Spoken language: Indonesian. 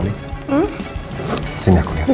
disini ya aku liat